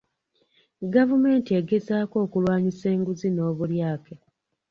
Gavumenti egezaako okulwanyisa enguzi n'obulyake..